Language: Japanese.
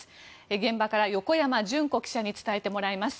現場から横山純子記者に伝えてもらいます。